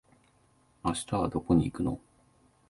明日はどこに行くの？